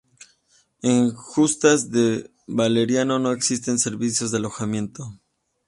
En Juntas de Valeriano no existen servicios de alojamiento.